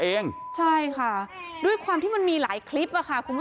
ก็ส่งให้ตำรวจไหมตอนให้แม่คุณตก